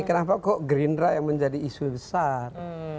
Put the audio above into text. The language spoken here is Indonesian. kenapa kok gerindra yang menjadi isu besar